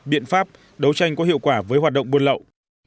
biện pháp đấu tranh có hiệu quả với hoạt động buôn lậu